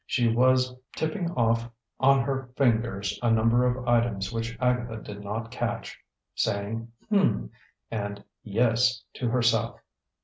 She was tipping off on her fingers a number of items which Agatha did not catch, saying "Hm!" and "Yes!" to herself.